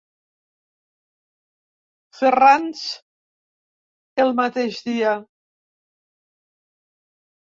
Ferrans el mateix dia.